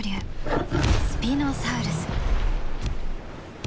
スピノサウルス。